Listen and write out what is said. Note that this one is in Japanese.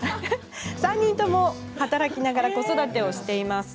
３人とも働きながら子育てをしています。